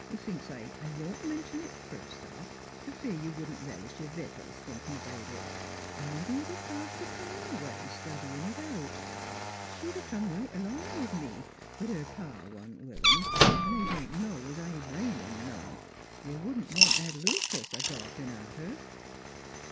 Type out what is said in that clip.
Thinks I, I won't mention it first 326 NEIGHBORS off, f'r fear you wouldn't relish y'r victuals thinkin' about it. Mebbe it '11 pass th' time away, studyin' it out. ... She'd a come right along with me; but her pa wa'n't willin', V I don' know 's I blame 'im none. You wouldn't want Ed Lucas a gawpin' at her."